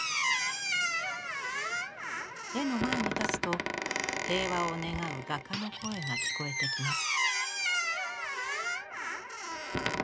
絵の前に立つと平和を願う画家の声が聞こえてきます。